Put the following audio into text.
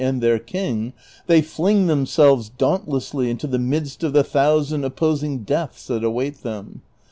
and their king, they fling themselves dauntlessly into the midst of the thousand opposing deaths that await them.